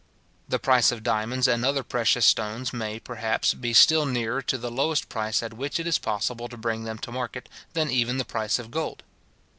The price of diamonds and other precious stones may, perhaps, be still nearer to the lowest price at which it is possible to bring them to market, than even the price of gold.